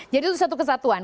jadi itu satu kesatuan